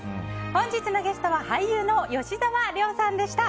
本日のゲストは俳優の吉沢亮さんでした。